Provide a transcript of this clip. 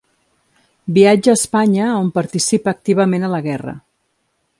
Viatja a Espanya, on participa activament a la guerra.